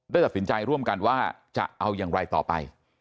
ตัดสินใจร่วมกันว่าจะเอาอย่างไรต่อไป